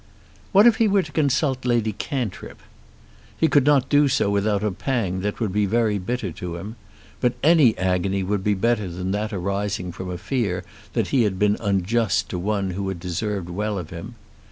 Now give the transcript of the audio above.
What if he were to consult Lady Cantrip? He could not do so without a pang that would be very bitter to him, but any agony would be better than that arising from a fear that he had been unjust to one who had deserved well of him.